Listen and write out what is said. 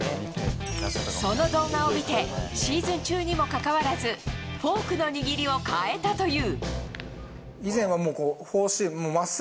その動画を見てシーズン中にもかかわらずフォークの握りを変えたという。